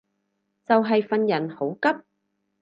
就係份人好急